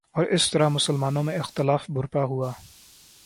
اور اس طرح مسلمانوں میں اختلاف برپا ہوا